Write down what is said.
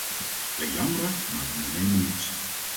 Wij jammeren, maar ondernemen niets.